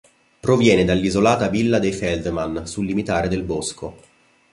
Proviene dall'isolata villa dei Feldman, sul limitare del bosco.